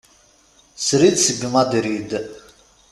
Srid seg Madrid.